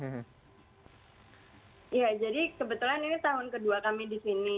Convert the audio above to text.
ya jadi kebetulan ini tahun kedua kami di sini